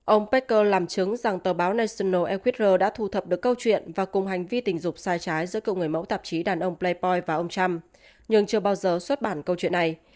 ông pecker làm chứng rằng tờ báo national airwa đã thu thập được câu chuyện và cùng hành vi tình dục sai trái giữa cậu người mẫu tạp chí đàn ông pleipoy và ông trump nhưng chưa bao giờ xuất bản câu chuyện này